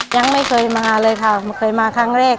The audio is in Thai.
ยังไม่เคยมาเลยค่ะเคยมาครั้งแรก